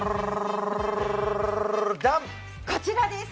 こちらです！